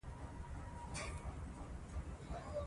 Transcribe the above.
دوی به تر هغه وخته پورې د ساینس تجربې کوي.